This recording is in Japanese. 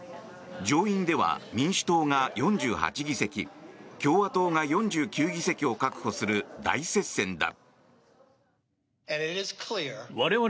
上院では民主党が４８議席共和党が４９議席を確保する大接戦だ。